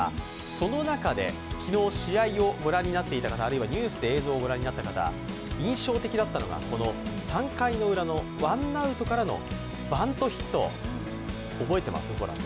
その中で昨日試合をご覧になっていた方あるいはニュースで映像をご覧になった方、印象的だったのは、この３回ウラのワンアウトからのバントヒット、覚えてます？